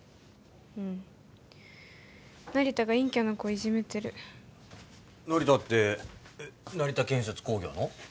うん成田が陰キャの子いじめてる成田って成田建設工業の？